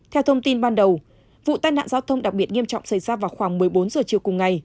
theo thông tin ban đầu vụ tai nạn giao thông đặc biệt nghiêm trọng xảy ra vào khoảng một mươi bốn giờ chiều cùng ngày